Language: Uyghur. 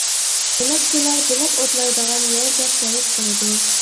بېلىقچىلار بېلىق ئوتلايدىغان يەر دەپ پەرەز قىلىدۇ.